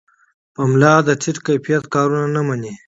پملا د ټیټ کیفیت کارونه نه مني.